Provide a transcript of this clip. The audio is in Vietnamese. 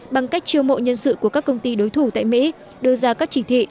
bằng cách chiêu mộ nhân sự của các công ty đối thủ tại mỹ đưa ra các chỉ thị